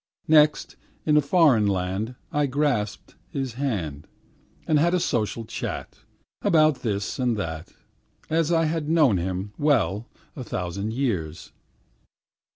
Next, in a foreign land I grasped his hand, And had a social chat, About this thing and that, As I had known him well a thousand years.